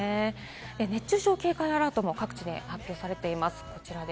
熱中症警戒アラートも、各地で発表されています。